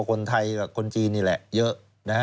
คนไทยคนจีนเนี่ยแหละเยอะ